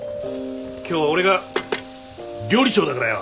今日は俺が料理長だからよ。